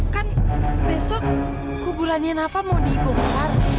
kan besok kuburannya nafa mau dibongkar